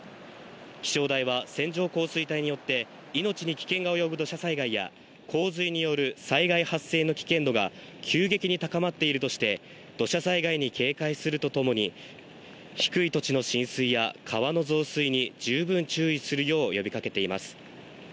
気象台は線状降水帯によって命に危険が及ぶ土砂災害や洪水による災害発生の危険度が急激に高まっているとして、土砂災害に警戒するとともに、低い土地の浸水や川の増水に十分注意するよう呼び掛けています。